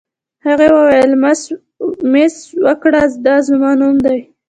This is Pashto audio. هغې وویل: مس واکر، دا زما نوم دی.